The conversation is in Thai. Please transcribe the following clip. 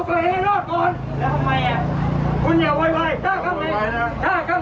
บ่าระคุณพูดอะไร